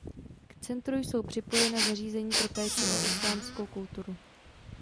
K centru jsou připojena zařízení pro péči o islámskou kulturu.